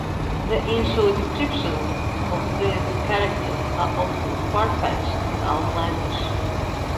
The in-show descriptions of these characters are often far-fetched and outlandish.